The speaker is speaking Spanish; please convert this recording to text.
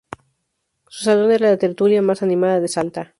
Su salón era la tertulia más animada de Salta.